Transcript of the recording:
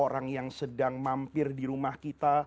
orang yang sedang mampir di rumah kita